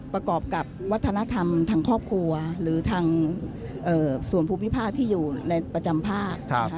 ประกอบกับวัฒนธรรมทางครอบครัวหรือทางส่วนภูมิภาคที่อยู่ในประจำภาค